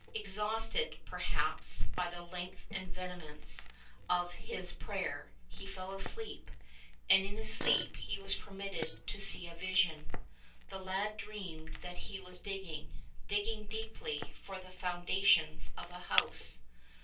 Exhausted, perhaps, by the length and vehemence of his prayer, he fell asleep, and in his sleep he was permitted to see a vision. The lad dreamed that he was digging — digging deeply for the foundations of a house.